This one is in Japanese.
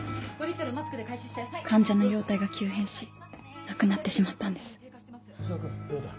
患者の容体が急変し亡くなってしまったんです。